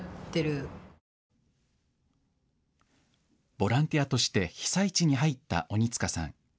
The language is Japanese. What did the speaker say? ボランティアとして被災地に入った鬼塚さん。